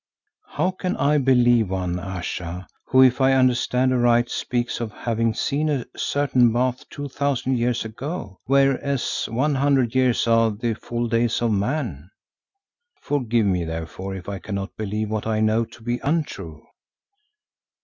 "How can I believe one, Ayesha, who if I understand aright, speaks of having seen a certain bath two thousand years ago, whereas one hundred years are the full days of man? Forgive me therefore if I cannot believe what I know to be untrue."